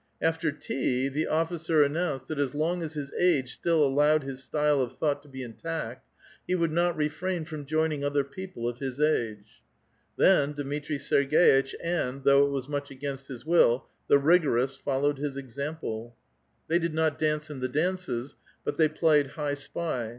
After tea, the officer announced that as long as his age still allowed his style of thought to be intact, he would not refrain from joining other people of his age Then Dmitri Serg^itch and, though it was much against his will, the rigorist followed his example. They did not dance in the dances, but they played high spy.